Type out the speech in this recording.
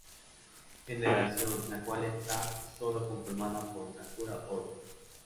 Generación, la cual esta sólo conformada por Sakura Oda.